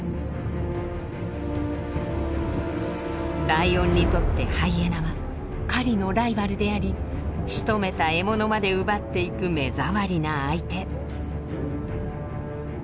ライオンにとってハイエナは狩りのライバルでありしとめた獲物まで奪っていく目障りな相手。